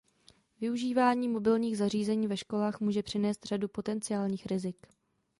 Využívání mobilních zařízení ve školách může přinést řadu potenciálních rizik.